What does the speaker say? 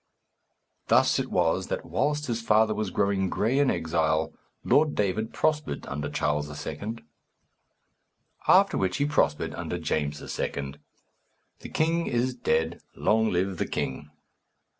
Thus it was that whilst his father was growing gray in exile, Lord David prospered under Charles II. After which he prospered under James II. The king is dead. Long live the king!